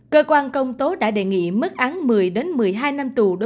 cơ quan công tố đã đề nghị mức án một mươi một mươi hai năm tù